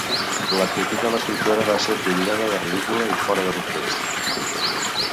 L'actitud de l'escriptora va ser titllada de ridícula i fora de context.